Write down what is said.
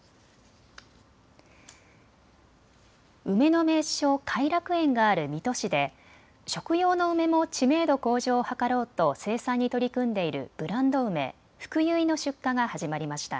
梅の名所、偕楽園がある水戸市で食用の梅も知名度向上を図ろうと生産に取り組んでいるブランド梅、ふくゆいの出荷が始まりました。